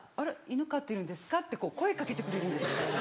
犬飼ってるんですか？」って声掛けてくれるんですよ。